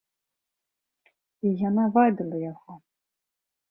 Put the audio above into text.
І яна вабіла яго.